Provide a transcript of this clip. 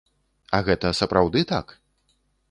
А гэта сапраўды так?